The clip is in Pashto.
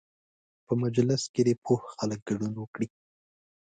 په مجلس کې دې پوه خلک ګډون وکړي.